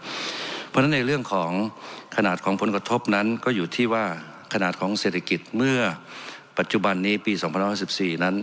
เพราะฉะนั้นในเรื่องของขนาดของผลกระทบนั้นก็อยู่ที่ว่าขนาดของเศรษฐกิจเมื่อปัจจุบันนี้ปี๒๕๔นั้น